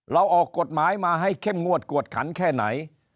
ออกกฎหมายมาให้เข้มงวดกวดขันแค่ไหน